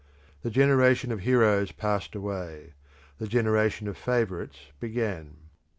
The generation of heroes passed away; the generation of favourites began.